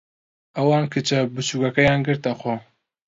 ئەوان کچە بچووکەکەیان گرتەخۆ.